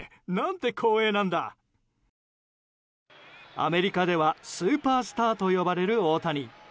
アメリカではスーパースターと呼ばれる大谷。